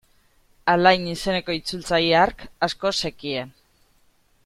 Alain izeneko itzultzaile hark asko zekien.